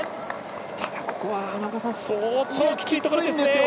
ただ、ここは相当きついところですよね。